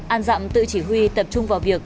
ăn dặm tự chỉ huy tập trung vào việc